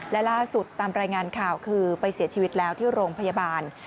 และล่าสุดตามรายงานข่าวคือไปเสียชีวิตแล้วที่โรงพยาบาล